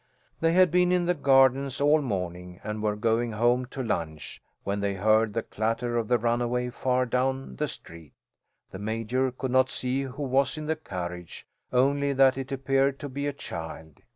They had been in the gardens all morning and were going home to lunch, when they heard the clatter of the runaway far down the street. The Major could not see who was in the carriage, only that it appeared to be a child.